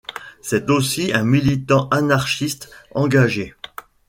C'est aussi un militant anarchiste engagé.